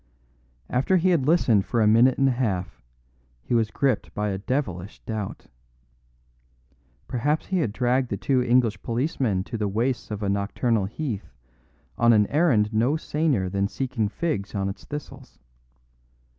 After he had listened for a minute and a half, he was gripped by a devilish doubt. Perhaps he had dragged the two English policemen to the wastes of a nocturnal heath on an errand no saner than seeking figs on its thistles.